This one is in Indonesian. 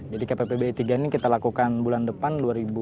jadi kppbi tiga ini kita lakukan bulan depan dua ribu tujuh belas